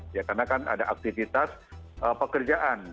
ya karena kan ada aktivitas pekerjaan